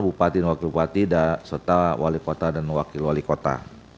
bupati dan wakil bupati serta wali kota dan wakil wali kota